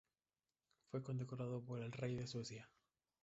Fue condecorado por el rey de Suecia.